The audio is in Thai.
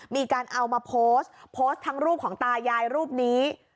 มีการเอามาโพสต์โพสต์ทั้งรูปของตายายรูปนี้